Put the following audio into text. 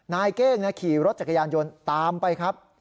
เก้งขี่รถจักรยานยนต์ตามไปครับ